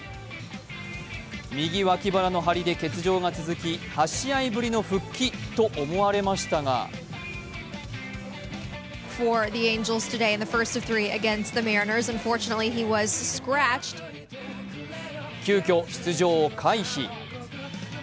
右脇腹の張りで欠場が続き、８試合ぶりの復帰と思われましたが急きょ出場を回避。